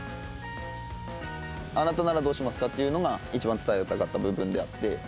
あなたならどうしますかっていうのが一番伝えたかった部分であって。